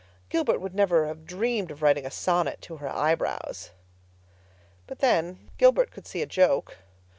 Gilbert would never have dreamed of writing a sonnet to her eyebrows. But then, Gilbert could see a joke.